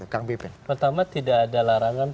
kang bipin pertama tidak ada larangan